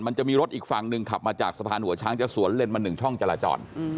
มันจะมีรถอีกฝั่งหนึ่งขับมาจากสะพานหัวช้างจะสวนเล่นมา๑ช่องจราจร